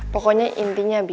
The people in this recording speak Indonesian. pokoknya intinya bi